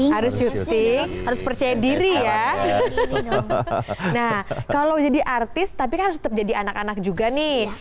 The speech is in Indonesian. harus syuting harus percaya diri ya nah kalau jadi artis tapi kan tetap jadi anak anak juga nih